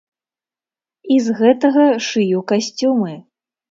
І з гэтага шыю касцюмы.